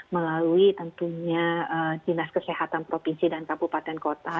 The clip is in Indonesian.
melalui tentunya dinas kesehatan provinsi dan kabupaten kota